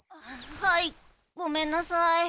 はいごめんなさい。